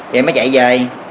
vậy mới chạy về